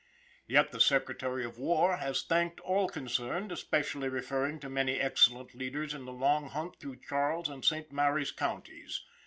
Yet the Secretary of War has thanked all concerned, especially referring to many excellent leaders in the long hunt through Charles and St. Mary's counties.